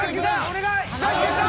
お願い！